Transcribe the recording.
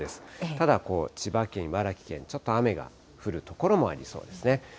ただ千葉県、茨城県、ちょっと雨が降る所もありそうですね。